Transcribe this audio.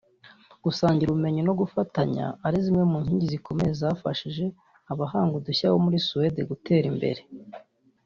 gusangira ubumenyi no gufatanya ari zimwe mu nkingi zikomeye zafashije abahanga udushya bo muri Suwede gutera imbere